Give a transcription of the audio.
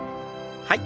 はい。